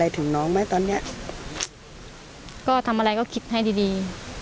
ถึงน้องไหมตอนเนี้ยก็ทำอะไรก็คิดให้ดีดี